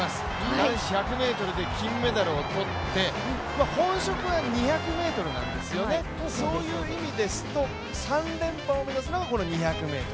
男子１００ｍで金メダルを取って、本職は２００ｍなんですよね、そういう意味ですと３連覇を目指すのが、この２００ｍ。